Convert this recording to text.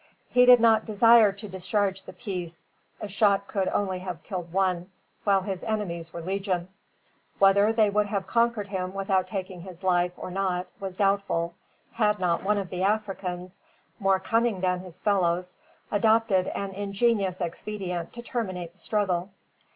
He did not desire to discharge the piece. A shot could only have killed one, while his enemies were legion. Whether they would have conquered him without taking his life, or not, was doubtful, had not one of the Africans, more cunning than his fellows, adopted an ingenious expedient to terminate the struggle.